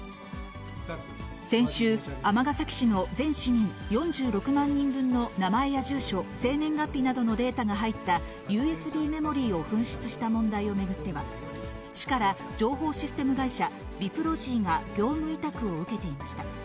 先週、尼崎市の全市民４６万人分の名前や住所、生年月日などのデータが入った、ＵＳＢメモリーを紛失した問題を巡っては、市から情報システム会社、ビプロジーが業務委託を受けていました。